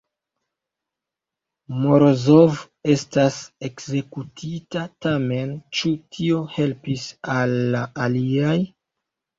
Morozov estas ekzekutita, tamen ĉu tio helpis al la aliaj?